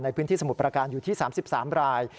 ในพื้นที่สมุทรประการอยู่ที่๓๓ราย